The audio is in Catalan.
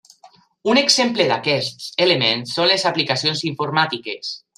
Un exemple d'aquests elements són les aplicacions informàtiques.